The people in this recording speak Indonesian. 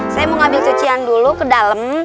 saya mau ngambil cucian dulu ke dalam